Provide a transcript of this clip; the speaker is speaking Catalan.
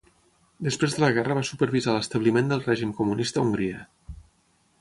Després de la guerra va supervisar l'establiment del règim comunista a Hongria.